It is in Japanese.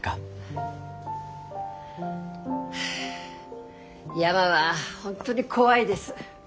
はあ山は本当に怖いです。